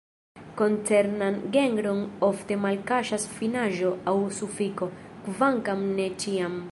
Koncernan genron ofte malkaŝas finaĵo aŭ sufikso, kvankam ne ĉiam.